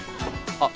あっ！